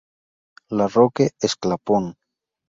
La Roque-Esclapon